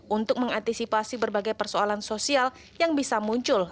untuk mengantisipasi berbagai persoalan sosial yang bisa muncul